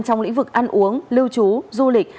trong lĩnh vực ăn uống lưu trú du lịch